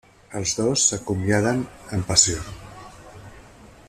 Els dos s'acomiaden amb passió.